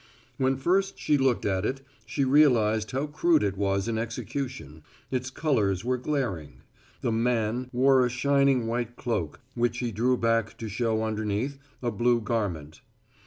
When first she looked at it she realized how crude it was in execution. Its colors were glaring. The Man wore a shining white cloak which he drew back to show underneath a blue garment.